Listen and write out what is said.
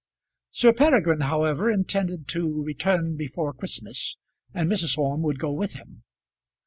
Sir Peregrine, however, intended to return before Christmas, and Mrs. Orme would go with him.